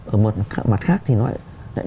ở một mặt khác thì nó lại